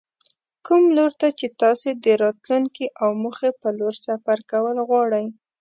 کوم لور ته چې تاسې د راتلونکې او موخې په لور سفر کول غواړئ.